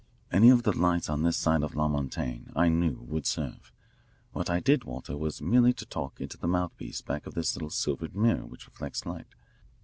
Any of the lights on this side of La Montaigne, I knew, would serve. What I did, Walter, was merely to talk into the mouthpiece back of this little silvered mirror which reflects light.